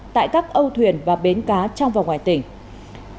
tại các âu thuyền và bến cá trong và ngoài tỉnh